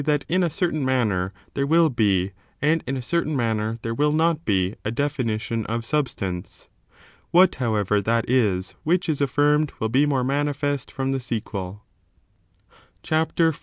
that in a certain manner there will be, and in a certain manner there will not be, a definition of substance 1 What, however, that is which is affirmed will be more manifest ftom the sequel^ CHAPTER XIV.